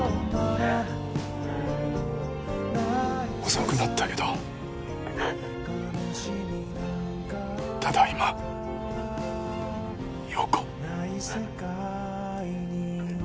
遅くなったけどただいま葉子。